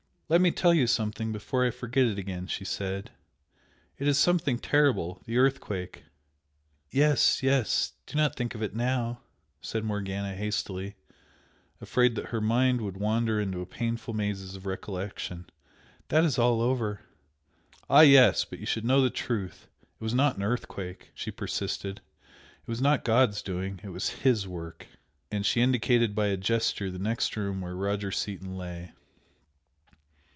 "Let me tell you something before I forget it again" she said "It is something terrible the earthquake." "Yes, yes, do not think of it now" said Morgana, hastily, afraid that her mind would wander into painful mazes of recollection "That is all over." "Ah, yes! But you should know the truth! It was NOT an earthquake!" she persisted "It was not God's doing! It was HIS work!" And she indicated by a gesture the next room where Roger Seaton lay.